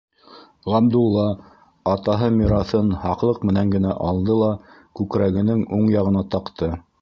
Ғабдулла атаһы мираҫын һаҡлыҡ менән генә алды ла күкрәгенең уң яғына таҡты.